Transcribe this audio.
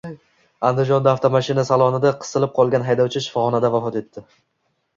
Andijonda avtomashina salonida qisilib qolgan haydovchi shifoxonada vafot etdi